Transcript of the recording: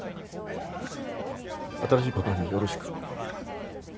新しいパパによろしく。